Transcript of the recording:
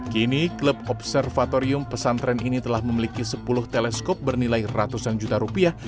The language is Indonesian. kini klub observatorium pesantren ini telah memiliki sepuluh teleskop bernilai ratusan juta rupiah